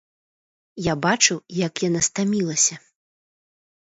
Я бачыў, як яна стамілася.